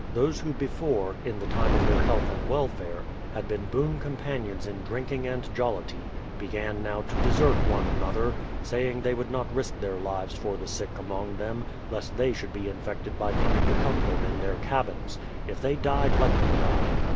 Those who before, in the time of their health and welfare, had been boon companions in drinking and jollity, began now to desert one another, saying they would not risk their lives for the sick among them, lest they should be infected by coming to help them in their cabins ; if they died, let them die